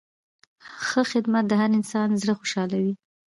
ښه خدمت د هر انسان زړه خوشحالوي.